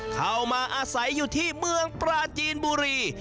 เข้ามาอาศัยอยู่ที่เมืองปราจีนบุรี